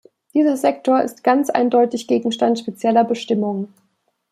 Dieser Sektor ist ganz eindeutig Gegenstand spezieller Bestimmungen.